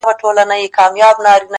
ماته هينداره څو نارونه او د خدای تصور!